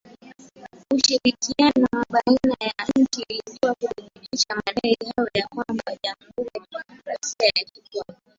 Ushirikiano wa baina ya nchi ili kuthibitisha madai hayo na kwamba Jamuhuri ya Kidemokrasia ya Kongo